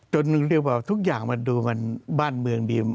หนึ่งเรียกว่าทุกอย่างมันดูมันบ้านเมืองดี